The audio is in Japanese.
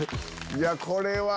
いやこれは。